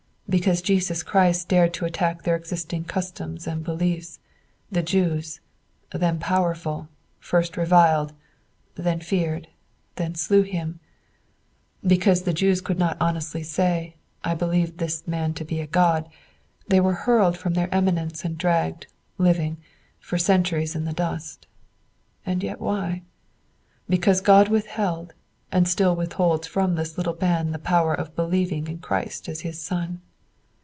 Because Jesus Christ dared to attack their existing customs and beliefs, the Jews, then powerful, first reviled, then feared, then slew him; because the Jews could not honestly say, 'I believe this man to be a God,' they were hurled from their eminence and dragged, living, for centuries in the dust. And yet why? Because God withheld and still withholds from this little band the power of believing in Christ as his son.